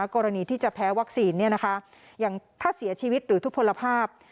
กรณีที่จะแพ้วัคซีนอย่างถ้าเสียชีวิตหรือทุกผลภาพ